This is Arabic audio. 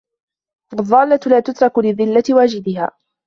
وَالضَّالَّةَ لَا تُتْرَكُ لِذِلَّةِ وَاجِدِهَا